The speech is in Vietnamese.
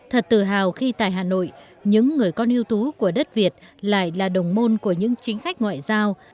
thật tự hào khi tại hà nội những người con yêu tú của đất việt lại là đồng môn của những chính khách ngoại giao